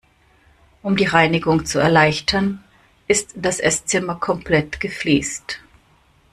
Um die Reinigung zu erleichtern, ist das Esszimmer komplett gefliest.